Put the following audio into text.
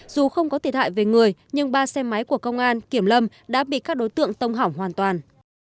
dù không có thiệt hại về người nhưng ba xe máy của công an kiểm lâm đã bị các đối tượng tông hỏng hoàn toàn